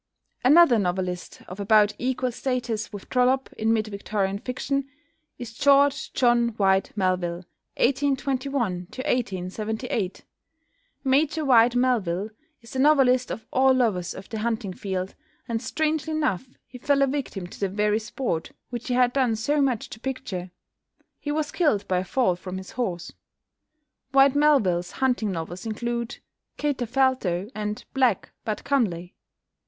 Another novelist of about equal status with Trollope in mid Victorian fiction is =George John Whyte Melville (1821 1878)=. Major Whyte Melville is the novelist of all lovers of the hunting field, and strangely enough he fell a victim to the very sport which he had done so much to picture. He was killed by a fall from his horse. Whyte Melville's hunting novels include "Katerfelto" and "Black but Comely."